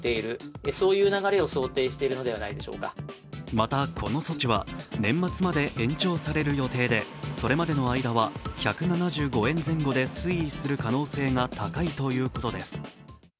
また、この措置は年末まで延長される予定でそれまでの間は、１７５円前後で推移する可能性が高いということです。